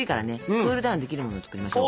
クールダウンできるものを作りましょう。